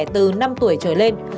từ năm tuổi trở lên